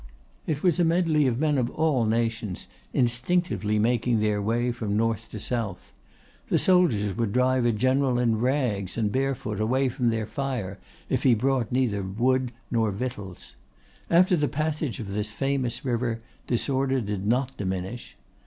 It was a medley of men of all nations, instinctively making their way from north to south. The soldiers would drive a general in rags and bare foot away from their fire if he brought neither wood nor victuals. After the passage of this famous river disorder did not diminish.